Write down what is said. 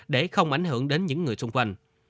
để không ảnh hưởng đến những người xung quanh